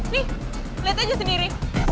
nih liat aja sendiri